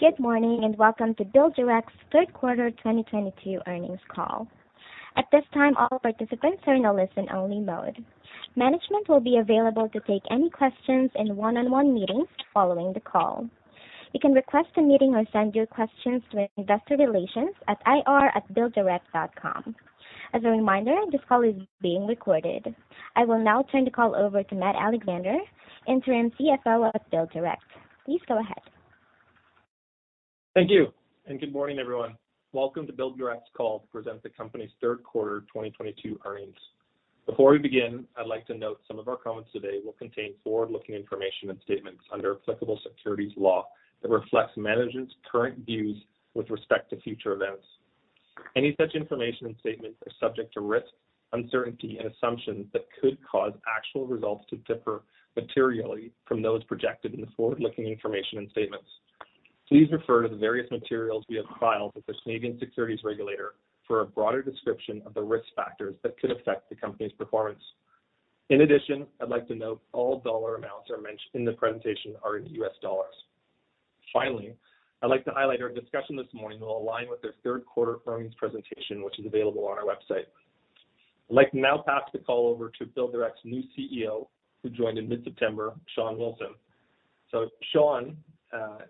Good morning, and welcome to BuildDirect's Third Quarter 2022 Earnings Call. At this time, all participants are in a listen-only mode. Management will be available to take any questions in one-on-one meetings following the call. You can request a meeting or send your questions to investor relations at ir@builddirect.com. As a reminder, this call is being recorded. I will now turn the call over to Matt Alexander, Interim CFO of BuildDirect. Please go ahead. Thank you, and good morning, everyone. Welcome to BuildDirect's call to present the company's third quarter 2022 earnings. Before we begin, I'd like to note some of our comments today will contain forward-looking information and statements under applicable securities law that reflects management's current views with respect to future events. Any such information and statements are subject to risks, uncertainty, and assumptions that could cause actual results to differ materially from those projected in the forward-looking information and statements. Please refer to the various materials we have filed with the Canadian Securities Administrators for a broader description of the risk factors that could affect the company's performance. In addition, I'd like to note all dollar amounts are mentioned in the presentation are in US dollars. Finally, I'd like to highlight our discussion this morning will align with the third quarter earnings presentation, which is available on our website. I'd like to now pass the call over to BuildDirect's new CEO, who joined in mid-September, Shawn Wilson. Shawn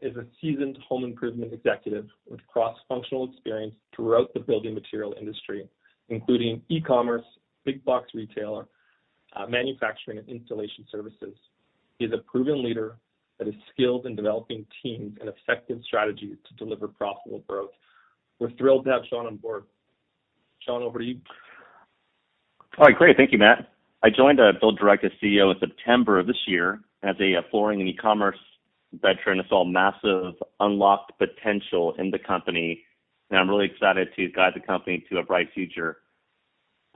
is a seasoned home improvement executive with cross-functional experience throughout the building material industry, including e-commerce, big box retailer, manufacturing and installation services. He is a proven leader that is skilled in developing teams and effective strategy to deliver profitable growth. We're thrilled to have Shawn on board. Shawn, over to you. All right, great. Thank you, Matt. I joined BuildDirect as CEO in September of this year. As a flooring and e-commerce veteran, I saw massive unlocked potential in the company, and I'm really excited to guide the company to a bright future.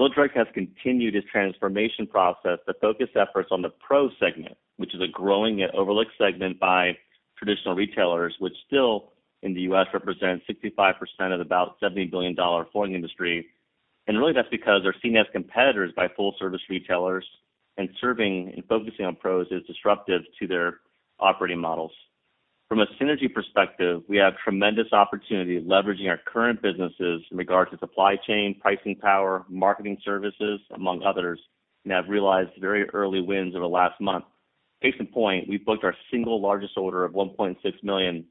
BuildDirect has continued its transformation process to focus efforts on the pro segment, which is a growing yet overlooked segment by traditional retailers, which still in the U.S. represents 65% of about $70 billion flooring industry. Really, that's because they're seen as competitors by full service retailers, and serving and focusing on pros is disruptive to their operating models. From a synergy perspective, we have tremendous opportunity leveraging our current businesses in regards to supply chain, pricing power, marketing services, among others, and have realized very early wins over the last month. Case in point, we booked our single largest order of $1.6 million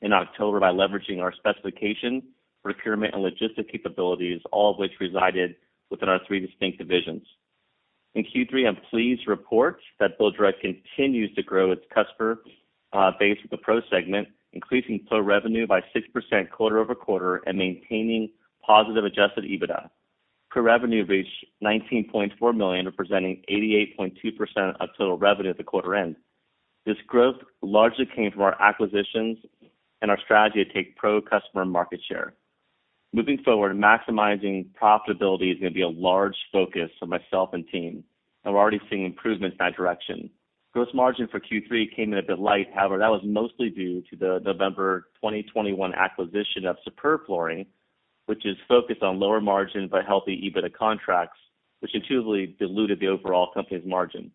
in October by leveraging our specification, procurement, and logistics capabilities, all of which resided within our three distinct divisions. In Q3, I'm pleased to report that BuildDirect continues to grow its customer base with the pro segment, increasing pro revenue by 6% quarter-over-quarter and maintaining positive Adjusted EBITDA. Pro revenue reached $19.4 million, representing 88.2% of total revenue at the quarter end. This growth largely came from our acquisitions and our strategy to take pro customer market share. Moving forward, maximizing profitability is gonna be a large focus for myself and team. I've already seen improvements in that direction. Gross margin for Q3 came in a bit light. However, that was mostly due to the November 2021 acquisition of Superb Flooring & Design, which is focused on lower margin but healthy EBITDA contracts, which intuitively diluted the overall company's margin.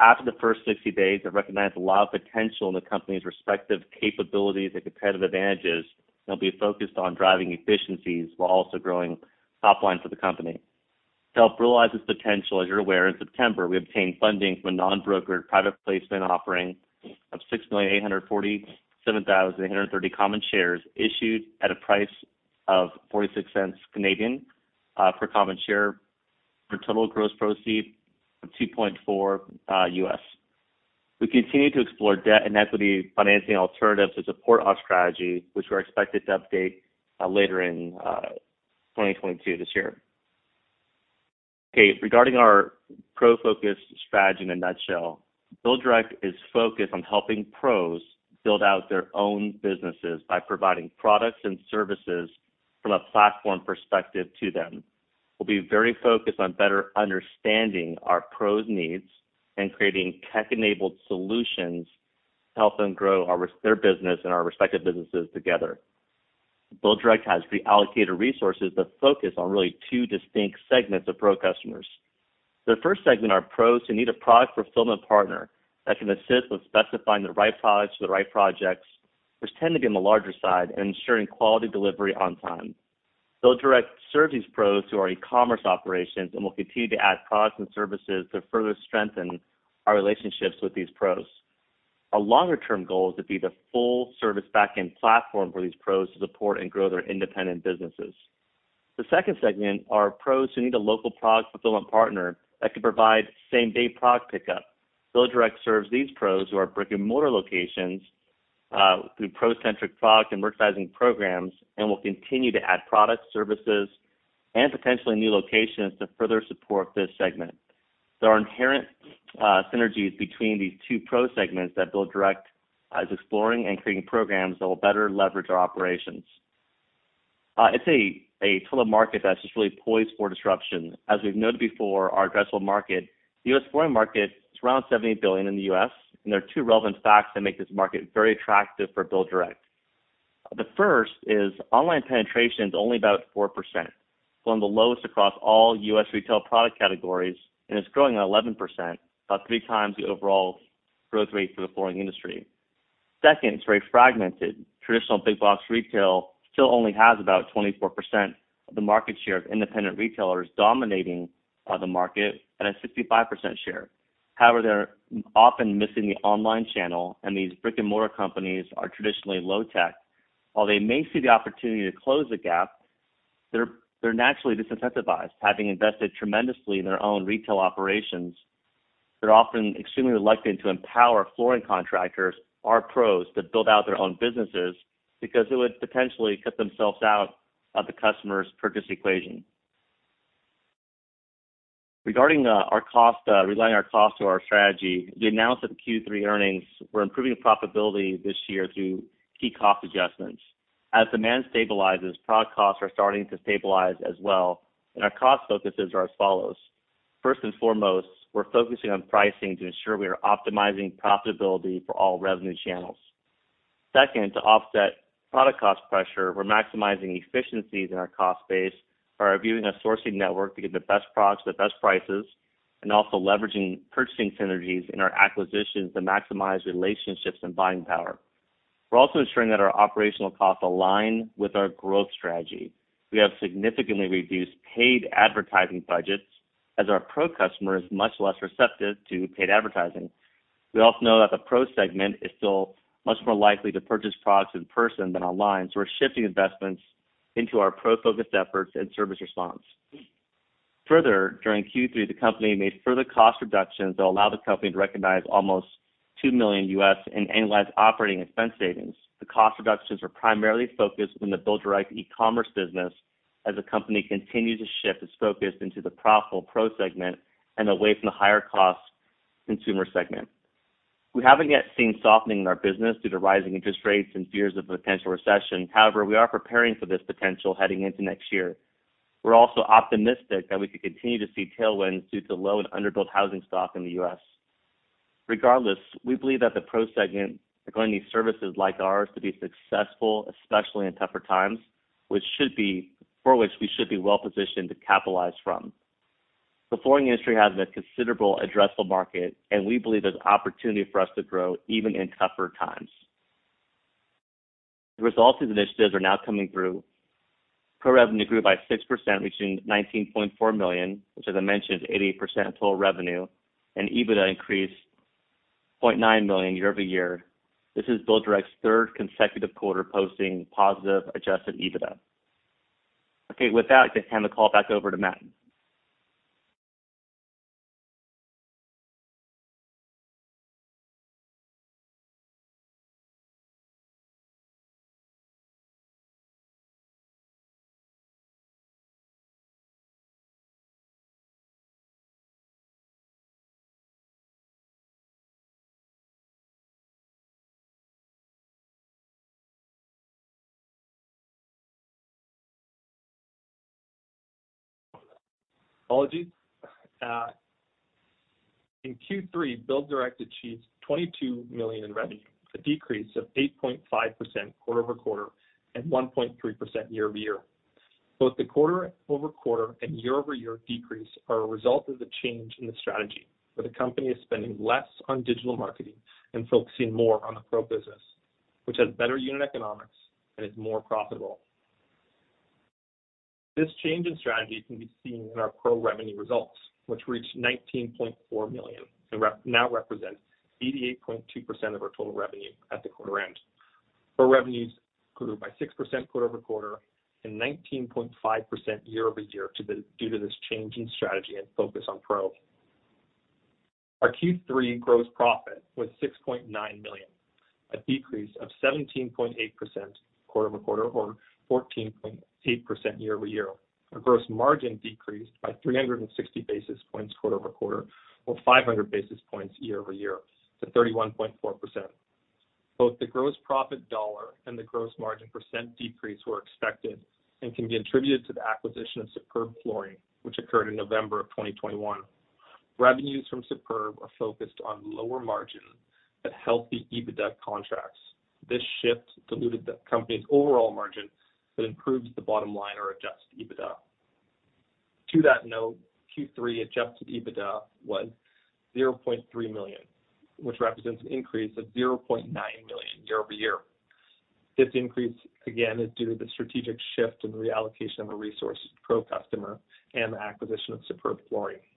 After the first 60 days, I recognize a lot of potential in the company's respective capabilities and competitive advantages. They'll be focused on driving efficiencies while also growing top line for the company. To help realize its potential, as you're aware, in September, we obtained funding from a non-brokered private placement offering of 6,847,830 common shares issued at a price of 0.46 per common share for total gross proceeds of $2.4 million. We continue to explore debt and equity financing alternatives to support our strategy, which we're expected to update later in 2022 this year. Okay, regarding our pro focus strategy in a nutshell, BuildDirect is focused on helping pros build out their own businesses by providing products and services from a platform perspective to them. We'll be very focused on better understanding our pros' needs and creating tech-enabled solutions to help them grow their business and our respective businesses together. BuildDirect has reallocated resources that focus on really two distinct segments of pro customers. The first segment are pros who need a product fulfillment partner that can assist with specifying the right products for the right projects, which tend to be on the larger side, and ensuring quality delivery on time. BuildDirect serves these pros through our e-commerce operations and will continue to add products and services to further strengthen our relationships with these pros. Our longer-term goal is to be the full service back-end platform for these pros to support and grow their independent businesses. The second segment are pros who need a local product fulfillment partner that can provide same-day product pickup. BuildDirect serves these pros who are brick-and-mortar locations through pro-centric product and merchandising programs and will continue to add products, services, and potentially new locations to further support this segment. There are inherent synergies between these two pro segments that BuildDirect is exploring and creating programs that will better leverage our operations. It's a total market that's just really poised for disruption. As we've noted before, our addressable market, the US flooring market is around $78 billion in the US, and there are two relevant facts that make this market very attractive for BuildDirect. The first is online penetration is only about 4%. It's one of the lowest across all US retail product categories, and it's growing at 11%, about three times the overall growth rate for the flooring industry. Second, it's very fragmented. Traditional big box retail still only has about 24% of the market share of independent retailers dominating the market at a 65% share. However, they're often missing the online channel, and these brick-and-mortar companies are traditionally low tech. While they may see the opportunity to close the gap, they're naturally disincentivized, having invested tremendously in their own retail operations. They're often extremely reluctant to empower flooring contractors or pros to build out their own businesses because it would potentially cut themselves out of the customer's purchase equation. Regarding our cost relating to our strategy, we announced at the Q3 earnings we're improving the profitability this year through key cost adjustments. As demand stabilizes, product costs are starting to stabilize as well, and our cost focuses are as follows. First and foremost, we're focusing on pricing to ensure we are optimizing profitability for all revenue channels. Second, to offset product cost pressure, we're maximizing efficiencies in our cost base by reviewing our sourcing network to get the best products at the best prices and also leveraging purchasing synergies in our acquisitions to maximize relationships and buying power. We're also ensuring that our operational costs align with our growth strategy. We have significantly reduced paid advertising budgets as our pro customer is much less receptive to paid advertising. We also know that the pro segment is still much more likely to purchase products in person than online, so we're shifting investments into our pro-focused efforts and service response. Further, during Q3, the company made further cost reductions that will allow the company to recognize almost $2 million in annualized operating expense savings. The cost reductions are primarily focused on the BuildDirect e-commerce business as the company continues to shift its focus into the profitable pro segment and away from the higher cost consumer segment. We haven't yet seen softening in our business due to rising interest rates and fears of a potential recession. However, we are preparing for this potential heading into next year. We're also optimistic that we could continue to see tailwinds due to low and underbuilt housing stock in the U.S. Regardless, we believe that the pro segment are going to need services like ours to be successful, especially in tougher times, which for which we should be well positioned to capitalize from. The flooring industry has a considerable addressable market, and we believe there's opportunity for us to grow even in tougher times. The results of the initiatives are now coming through. Pro revenue grew by 6%, reaching $19.4 million, which as I mentioned, is 88% of total revenue, and EBITDA increased $0.9 million year-over-year. This is BuildDirect's third consecutive quarter posting positive adjusted EBITDA. Okay. With that, I'd like to hand the call back over to Matt. Apologies. In Q3, BuildDirect achieved $22 million in revenue, a decrease of 8.5% quarter-over-quarter and 1.3% year-over-year. Both the quarter-over-quarter and year-over-year decrease are a result of the change in the strategy, where the company is spending less on digital marketing and focusing more on the pro business, which has better unit economics and is more profitable. This change in strategy can be seen in our pro revenue results, which reached $19.4 million and now represents 88.2% of our total revenue at the quarter end. Our revenues grew by 6% quarter-over-quarter and 19.5% year-over-year due to this change in strategy and focus on pro. Our Q3 gross profit was $6.9 million, a decrease of 17.8% quarter-over-quarter or 14.8% year-over-year. Our gross margin decreased by 360 basis points quarter-over-quarter or 500 basis points year-over-year to 31.4%. Both the gross profit dollar and the gross margin percent decrease were expected and can be attributed to the acquisition of Superb Flooring & Design, which occurred in November 2021. Revenues from Superb Flooring & Design are focused on lower margin but healthy EBITDA contracts. This shift diluted the company's overall margin but improves the bottom line or Adjusted EBITDA. To that note, Q3 Adjusted EBITDA was $0.3 million, which represents an increase of $0.9 million year-over-year. This increase, again, is due to the strategic shift and the reallocation of our resources to pro customer and the acquisition of Superb Flooring & Design.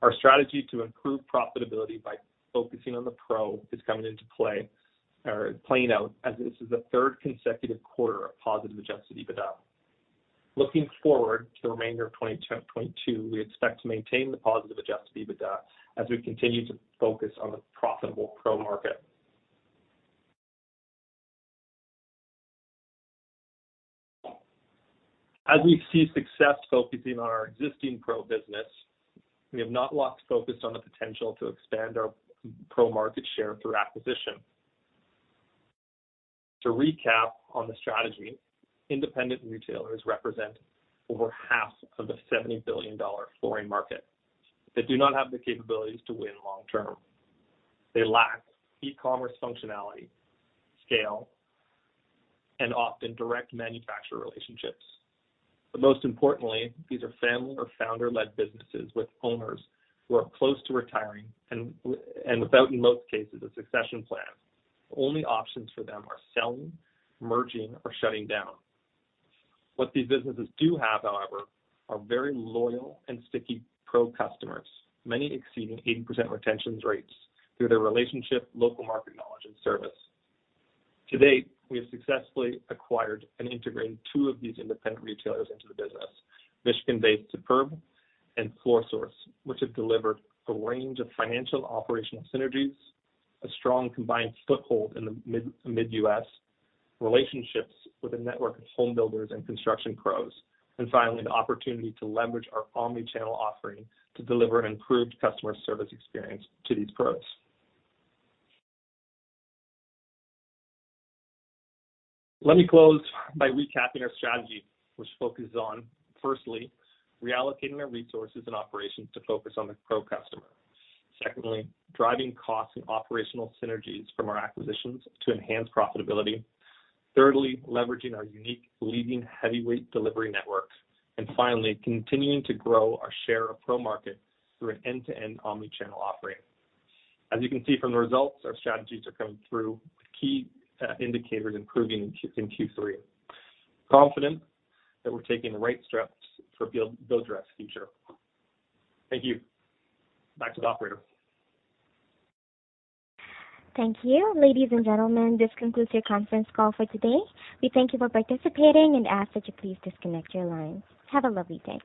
Our strategy to improve profitability by focusing on the pro is coming into play or playing out as this is the third consecutive quarter of positive Adjusted EBITDA. Looking forward to the remainder of 2022, we expect to maintain the positive Adjusted EBITDA as we continue to focus on the profitable pro market. As we see success focusing on our existing pro business, we have not lost focus on the potential to expand our pro market share through acquisition. To recap on the strategy, independent retailers represent over half of the $70 billion flooring market. They do not have the capabilities to win long-term. They lack e-commerce functionality, scale, and often direct manufacturer relationships. Most importantly, these are family or founder-led businesses with owners who are close to retiring and without, in most cases, a succession plan. The only options for them are selling, merging, or shutting down. What these businesses do have, however, are very loyal and sticky pro customers, many exceeding 80% retention rates through their relationship, local market knowledge, and service. To date, we have successfully acquired and integrated two of these independent retailers into the business, Michigan-based Superb and FloorSource, which have delivered a range of financial operational synergies, a strong combined foothold in the Midwest U.S., relationships with a network of home builders and construction pros, and finally, the opportunity to leverage our omni-channel offering to deliver an improved customer service experience to these pros. Let me close by recapping our strategy, which focuses on, firstly, reallocating our resources and operations to focus on the pro customer. Secondly, driving costs and operational synergies from our acquisitions to enhance profitability. Thirdly, leveraging our unique leading heavyweight delivery network. And finally, continuing to grow our share of pro market through an end-to-end omni-channel offering. As you can see from the results, our strategies are coming through with key indicators improving in Q3. Confident that we're taking the right steps for BuildDirect's future. Thank you. Back to the operator. Thank you. Ladies and gentlemen, this concludes your conference call for today. We thank you for participating and ask that you please disconnect your lines. Have a lovely day.